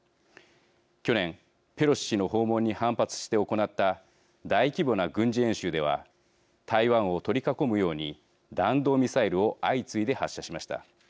去年ペロシ氏の訪問に反発して行った大規模な軍事演習では台湾を取り囲むように弾道ミサイルを相次いで発射しました。